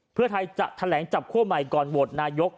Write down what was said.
เพื่อไทยจะแถลงจับคั่วใหม่ก่อนโหวตนายก